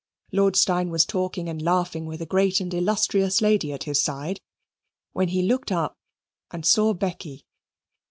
Lord Steyne was talking and laughing with a great and illustrious lady at his side, when he looked up and saw Becky.